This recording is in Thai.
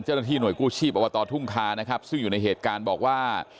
เจ้าหน้าที่หน่วยกู้ชีพอบตทุ่งคานะครับซึ่งอยู่ในเหตุการณ์บอกว่า